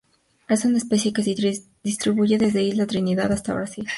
Es una especie que se distribuye desde Isla Trinidad hasta Brasil.